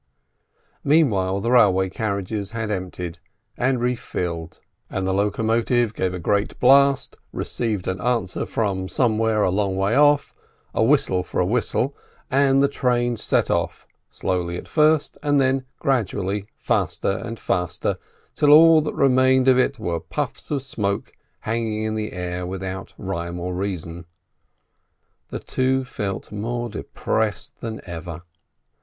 Meantime the railway carriages had emptied and refilled, and the locomotive gave a great blast, received an answer from somewhere a long way off, a whistle for a whistle, and the train set off, slowly at first, and then gradually faster and faster, till all that remained of it were puffs of smoke hanging in the air without rhyme or reason. The two felt more depressed than ever.